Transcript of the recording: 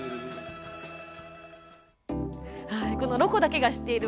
この「ロコだけが知っている」